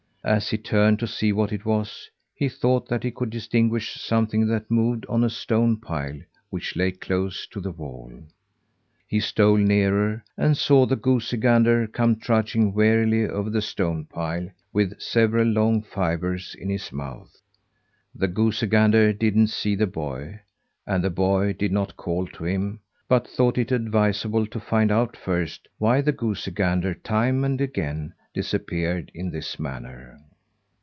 As he turned to see what it was, he thought that he could distinguish something that moved on a stone pile which lay close to the wall. He stole nearer, and saw the goosey gander come trudging wearily over the stone pile, with several long fibres in his mouth. The goosey gander didn't see the boy, and the boy did not call to him, but thought it advisable to find out first why the goosey gander time and again disappeared in this manner.